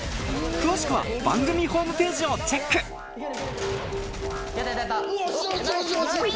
詳しくは番組ホームページをチェックよし！